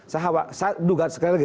saya duga sekali lagi